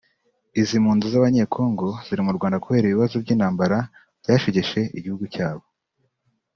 Izi mpunzi z’Abanyekongo ziri mu Rwanda kubera ibibazo by’intambara byashegeshe igihugu cyabo